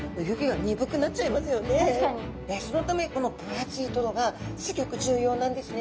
そのためこの分厚いトロがすギョく重要なんですね。